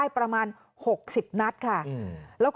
เผื่อ